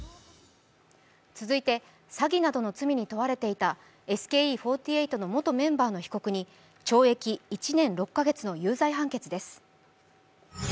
続いて詐欺などの罪に問われていたＳＫＥ４８の元メンバーに懲役１年６カ月の有罪判決です。